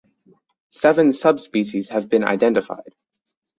Seven subspecies have been identified.